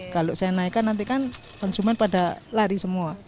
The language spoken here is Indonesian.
kalau saya naikkan nanti kan konsumen pada lari semua